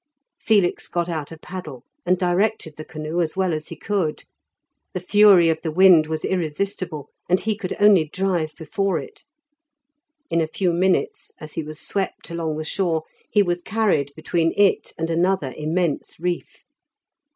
Felix got out a paddle, and directed the canoe as well as he could; the fury of the wind was irresistible, and he could only drive before it. In a few minutes, as he was swept along the shore, he was carried between it and another immense reef.